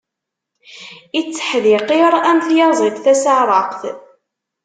Itteḥdiqiṛ am tyaziḍt tasaɛṛaqt.